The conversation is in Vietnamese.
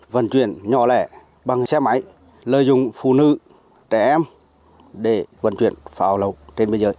vận chuyển nhỏ lẻ bằng xe máy lợi dụng phụ nữ trẻ em để vận chuyển pháo lậu trên biên giới